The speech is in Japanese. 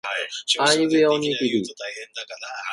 あいうえおにぎり